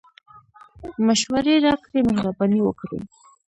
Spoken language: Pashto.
مشوري راکړئ مهربانی وکړئ